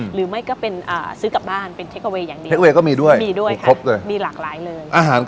หรือไม่ก็เป็นซื้อกลับบ้าน